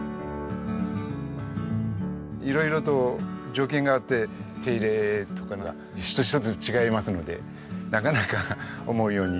色々と条件があって手入れとかが一つ一つ違いますのでなかなか思うようにいきません。